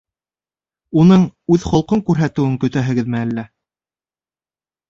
Уның үҙ холҡон күрһәтеүен көтәһегеҙме әллә?